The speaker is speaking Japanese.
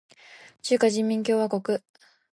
中華人民共和国